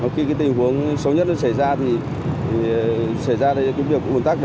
khi tình huống xấu nhất xảy ra xảy ra việc ủn tắc